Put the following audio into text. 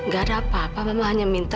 gak ada apa apa bapak hanya minta